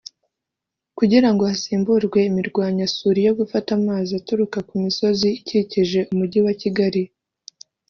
kugira ngo hasiburwe imirwanyasuri yo gufata amazi aturuka ku misozi ikikije Umujyi wa Kigali